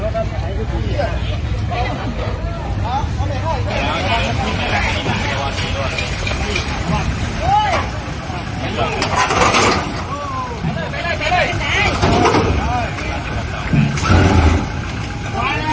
สวัสดีครับ